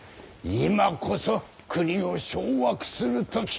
今こそ国を掌握する時。